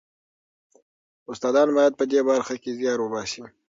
استادان باید په دې برخه کې زیار وباسي.